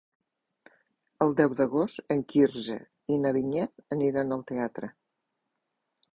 El deu d'agost en Quirze i na Vinyet aniran al teatre.